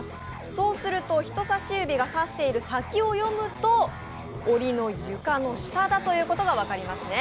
そうすると人さし指がさしている先を読むと、おりの下だということが分かりますね。